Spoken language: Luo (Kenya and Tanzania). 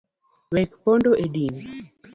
Wek pondo e din.